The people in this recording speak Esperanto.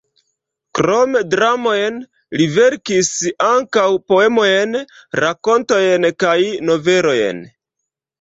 Krom dramojn li verkis ankaŭ poemojn, rakontojn kaj novelojn.